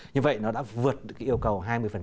như vậy nó đã vượt được cái yêu cầu hai mươi